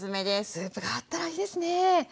スープがあったらいいですね。